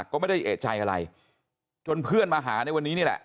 ก็ไม่ได้เอกใจอะไรจนเพื่อนมาหาในวันนี้นี่แหละ